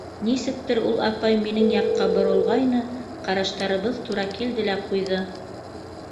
Нисектер ул апай минең яҡҡа боролғайны, ҡараштарыбыҙ тура килде лә ҡуйҙы.